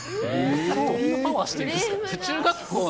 どんなパワーしてるんですか？